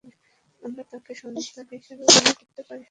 আমরা তাকে সন্তান হিসেবেও গ্রহণ করতে পারি।